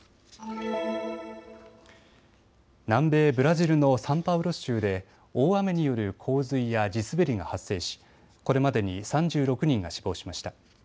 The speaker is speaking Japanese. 南米ブラジルのサンパウロ州で大雨による洪水や地滑りが発生しこれまでに３６人が死亡しました。